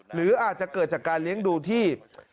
หรืออาจจะเกิดจากการเลี้ยงดูที่